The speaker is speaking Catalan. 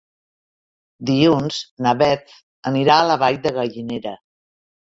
Dilluns na Beth anirà a la Vall de Gallinera.